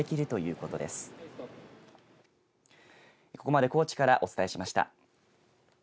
ここまで高知からお伝えしました。